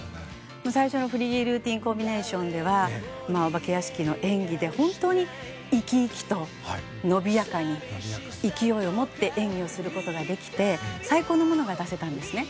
最初のフリールーティンコンビネーションでは「お化け屋敷」の演技で本当に生き生きと伸びやかに勢いを持って演技をすることができて最高のものが出せたんですね。